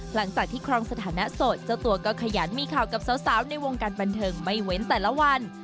หลังจากที่ครองสถานะโสดเจ้าตัวก็ขยันมีข่าวกับสาวในวงการบันเทิงไม่เว้นแต่ละวัน